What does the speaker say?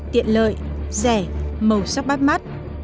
tiện lợi rẻ màu sắc bát mắt